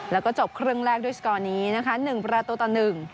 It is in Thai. แล้วก็จบครึ่งแรกด้วยสกอร์นี้นะคะ๑ประตูต่อหนึ่ง